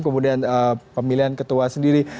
kemudian pemilihan ketua sendiri